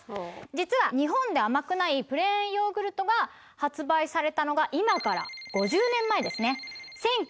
実は日本で甘くないプレーンヨーグルトが発売されたのが今から５０年前ですね。